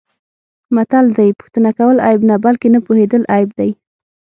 متل دی: پوښتنه کول عیب نه، بلکه نه پوهېدل عیب دی.